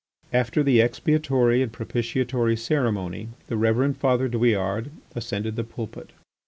After the expiatory and propitiatory ceremony the Reverend Father Douillard ascended the pulpit.